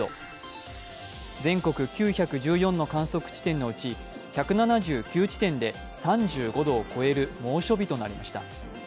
全国９１４の観測地点のうち１７９地点で、３５度を超える猛暑日となりました。